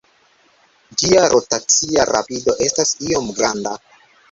Ĝia rotacia rapido estas iom granda.